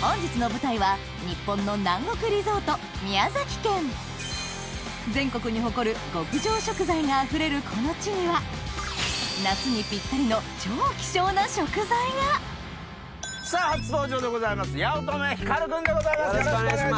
本日の舞台は日本の南国リゾート全国に誇る極上食材があふれるこの地には夏にピッタリの超希少な食材がさぁ初登場でございます八乙女光君でございます。